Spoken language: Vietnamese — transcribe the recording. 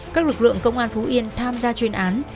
các lực lượng công an phú yên tham gia chuyên án